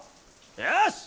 よし！